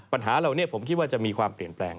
ปัญหาเหล่านี้ผมคิดว่าจะมีความเปลี่ยนแปลง